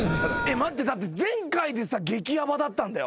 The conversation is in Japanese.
待ってだって前回でさ激ヤバだったんだよ。